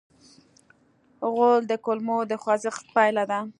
غول د کولمو د خوځښت پایله ده.